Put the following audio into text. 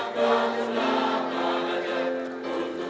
bersih merakyat kerja